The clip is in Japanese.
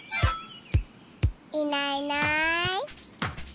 いないいない。